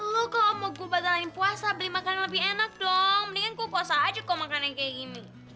lo kalo mau gue batalin puasa beli makanan lebih enak dong mendingan gue puasa aja kalo makanannya kaya gini